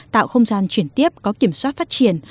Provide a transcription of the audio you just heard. tạo không gian chuyển tiếp có kiểm soát phát triển